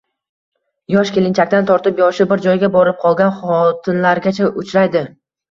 Yosh kelinchakdan tortib yoshi bir joyga borib qolgan xotinlargacha uchraydi